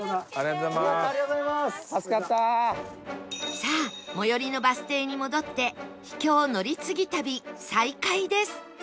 さあ最寄りのバス停に戻って秘境乗り継ぎ旅再開です